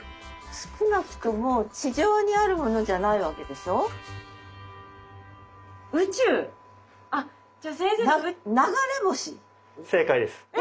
少なくとも地上にあるものじゃないわけでしょ？え！